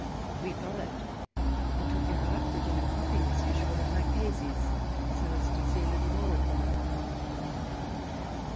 We followed, and took our after dinner coffee as usual at Marchesi's, so as to see a little more of them.